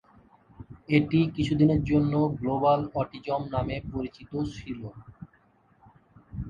এটি কিছুদিনের জন্য গ্লোবাল অটিজম নামে পরিচিত ছিল।